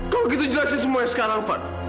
kalau gitu jelasin semua itu sekarang fad